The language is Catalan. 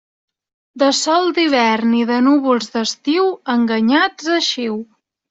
De sol d'hivern i de núvols d'estiu, enganyats eixiu.